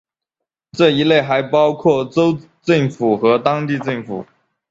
这一类还包括州政府和当地政府。